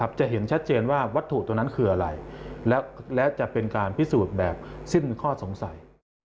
จะเห็นชัดเจนว่าวัตถุตัวนั้นคืออะไรแล้วจะเป็นการพิสูจน์แบบสิ้นข้อสงสัย